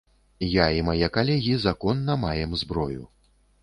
Я і мае калегі законна маем зброю.